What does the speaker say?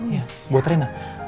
iya buat renna